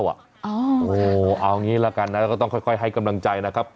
อ๋อเอาอย่างนี้ละกันนะแล้วก็ต้องค่อยให้กำลังใจนะครับ